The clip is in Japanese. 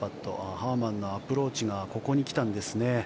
ハーマンのアプローチがここに来たんですね。